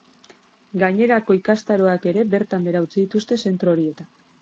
Gainerako, ikastaroak ere bertan behera utzi dituzte zentro horietan.